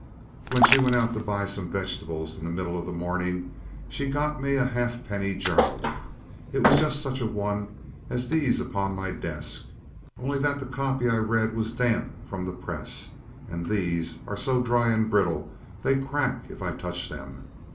.. When she went out to buy some vegetables in the middle of the morning she got me a half penny journal. It was just such a one as these upon my desk, only that the copy I read was damp from the press, and these are so dry and brittle, they crack if I touch them.